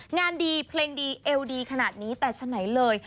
งานดีเพลงดีเอวดีขนาดนี้แต่ฉะไหนเลย